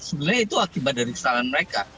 sebenarnya itu akibat dari kesalahan mereka